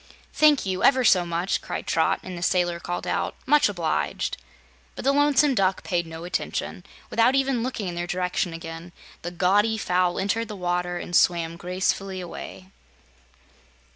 "Thank you, ever so much!" cried Trot, and the sailor called out: "Much obliged!" But the Lonesome Duck paid no attention. Without even looking in their direction again, the gaudy fowl entered the water and swam gracefully away.